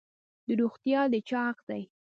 روغتیا د چا حق دی؟